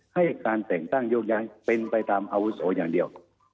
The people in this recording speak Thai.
ให้การแต่งตั้งโยกย้ายเป็นไปตามอาวุโสอย่างเดียว